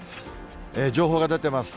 情報が出てます。